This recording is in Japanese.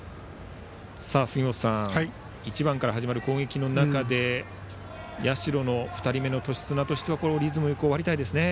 １番から始まる攻撃の中で社の２人目の年綱としてはリズムよく終わりたいですね。